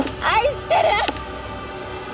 愛してる！